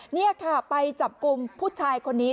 นี่ค่ะไปจับกลุ่มผู้ชายคนนี้